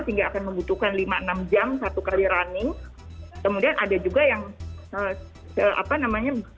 sehingga akan membutuhkan lima enam jam satu kali running kemudian ada juga yang apa namanya